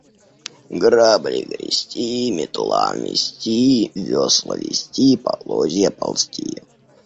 Грабли – грести, метла – мести, весла – везти, полозья – ползти.